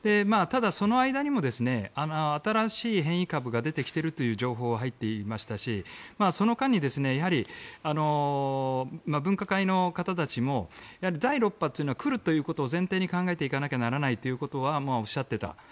ただ、その間にも新しい変異株が出てきているという情報は入っていましたしその間に分科会の方たちも第６波というのは来るという前提で考えていかなきゃならないというのはおっしゃっていた。